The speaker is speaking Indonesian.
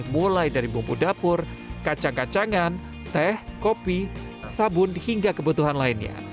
mulai dari bumbu dapur kacang kacangan teh kopi sabun hingga kebutuhan lainnya